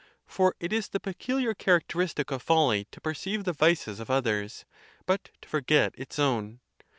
For it is the peculiar character istic of folly to perceive the vices of others, but to for get its own.